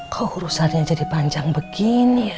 kok urusannya jadi panjang begini